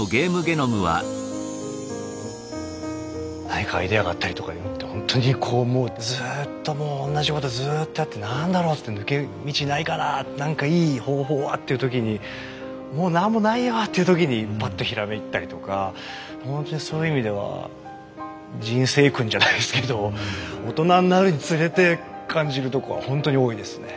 何かアイデアがあったりとかいうのってほんとにこうもうずっともう同じことずっとやって何だろうっつって抜け道ないかなあ何かいい方法はっていう時にもうなんもないよっていう時にバッと閃いたりとかほんとにそういう意味では人生訓じゃないですけど大人になるにつれて感じるとこはほんとに多いですね。